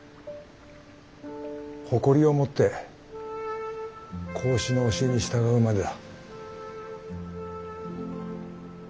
誇りを持って孔子の教えに従うまでだ。